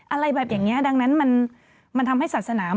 อะไรแบบอย่างเนี้ยดังนั้นมัน